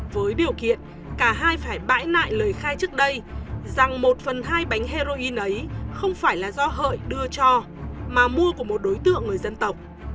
với điều kiện cả hai phải bãi lại lời khai trước đây rằng một phần hai bánh heroin ấy không phải là do hợi đưa cho mà mua của một đối tượng người dân tộc